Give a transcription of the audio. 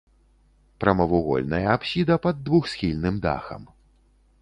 Прамавугольная апсіда пад двухсхільным дахам.